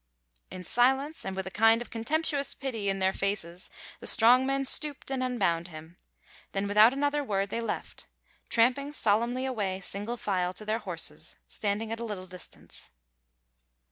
In silence and with a kind of contemptuous pity in their faces the strong men stooped and unbound him; then, without another word, they left him, tramping solemnly away single file to their horses, standing at a little distance.